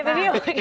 nah itu dia